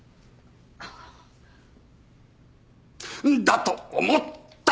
だと思った！